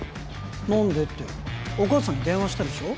何でってお母さんに電話したでしょ？